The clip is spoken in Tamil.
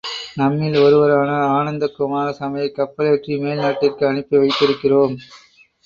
நம்மில் ஒருவரான ஆனந்தக் குமாரசாமியைக் கப்பலேற்றி மேல் நாட்டிற்கு அனுப்பி வைத்திருக்கிறோம்.